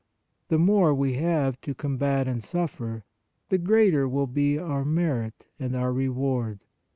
The more we have to combat and suffer, the greater will be our merit and our reward.